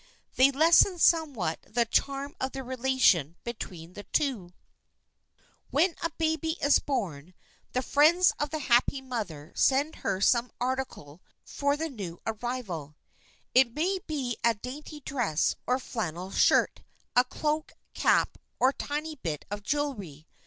They lessen somewhat the charm of the relation between the two. When a baby is born, the friends of the happy mother send her some article for the new arrival. It may be a dainty dress or flannel skirt, a cloak, cap or tiny bit of jewelry.